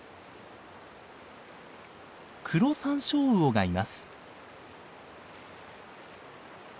クロサンショウウオがいます。